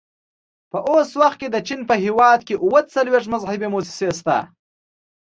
په اوس وخت کې د چین په هېواد کې اووه څلوېښت مذهبي مؤسسې شته.